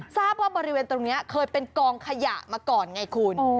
ทราบว่าบริเวณตรงนี้เคยเป็นกองขยะมาก่อนไงคุณ